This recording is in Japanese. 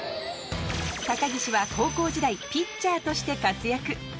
高岸は高校時代ピッチャーとして活躍